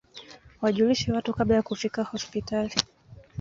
wajulishe watu kabla ya kufika hospitali